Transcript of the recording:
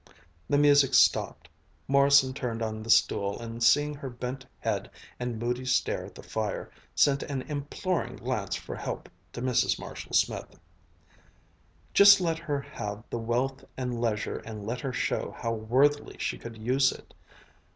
The music stopped. Morrison turned on the stool and seeing her bent head and moody stare at the fire, sent an imploring glance for help to Mrs. Marshall Smith. Just let her have the wealth and leisure and let her show how worthily she could use it!